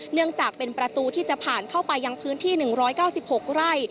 เนื่องจากเป็นประตูที่จะผ่านเข้าไปยังพื้นที่๑๙๖ไร่